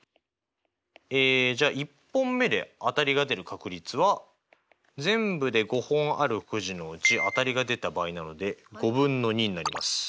えじゃあ１本目で当たりが出る確率は全部で５本あるくじのうち当たりが出た場合なので５分の２になります。